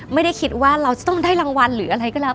ไม่ได้คิดว่าเราจะต้องได้รางวัลหรืออะไรก็แล้ว